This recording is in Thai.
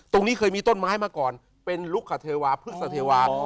ตรงนี้เคยมีต้นไม้มาก่อนเป็นลุกคเทวาพฤษเทวา